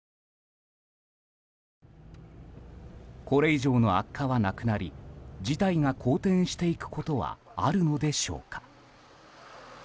これ以上の悪化はなくなり事態が好転していくことはあるのでしょうか。